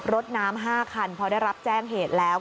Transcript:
รถน้ำ๕คันพอได้รับแจ้งเหตุแล้ว